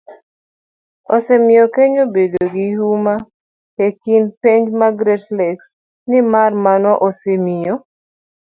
osemiyo Kenya obedo gi huma e kind pinje mag Great Lakes, nimar mano osemiyo